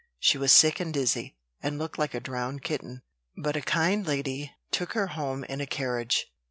She was sick and dizzy, and looked like a drowned kitten; but a kind lady took her home in a carriage.